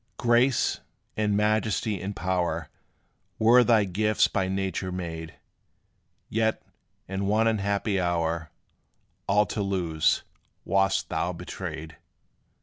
Grace, and majesty, and power Were thy gifts by nature made; Yet, in one unhappy hour, All to lose, wast thou betrayed.